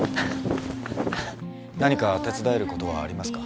何か手伝えることはありますか？